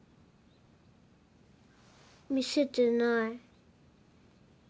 見せてない。